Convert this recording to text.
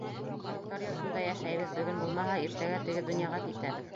Ҡарттар йортонда йәшәйбеҙ, бөгөн булмаһа, иртәгә теге донъяға китәбеҙ.